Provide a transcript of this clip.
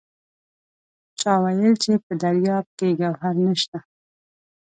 چا وایل چې په دریاب کې ګوهر نشته!